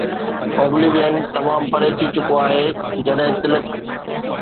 Oblivion تمام پري ٿي چڪو آهي، جڏهن تلڪ